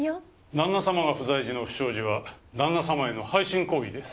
旦那様が不在時の不祥事は旦那様への背信行為です。